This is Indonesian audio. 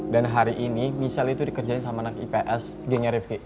dan hari ini michelle itu dikerjain sama anak ips gengnya rifqi